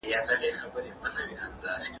مطالعه انسان ته شعور او سنجيدګي وربښي.